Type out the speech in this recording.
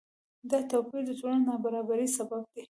دا توپیر د ټولنیز نابرابری سبب دی.